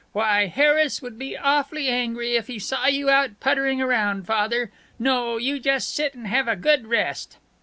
Why, Harris would be awfully angry if he saw you out puttering around, Father. No, you just sit and have a good rest."